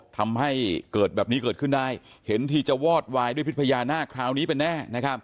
ทำให้เกิดแบบนี้เกิดขึ้นได้เห็นทีจะวอดวายด้วยพิษพญานาคคราวนี้เป็นแน่